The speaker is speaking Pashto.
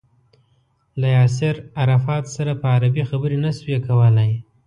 له ياسر عرفات سره په عربي خبرې نه شوای کولای.